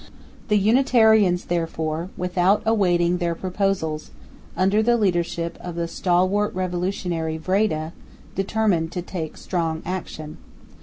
The Unitarians, therefore, without awaiting their proposals, under the leadership of the stalwart revolutionary, Vreede, determined to take strong action.